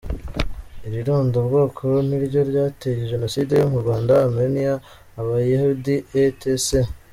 Iri ronda bwoko niryo ryateye Genocides yo mu Rwanda, Armenia, Abayahudi, etc.